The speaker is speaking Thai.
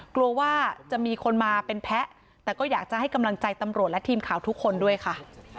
กลัวว่าจะมีคนมาเป็นแพ้แต่ก็อยากจะให้กำลังใจตำรวจและทีมข่าวทุกคนด้วยค่ะ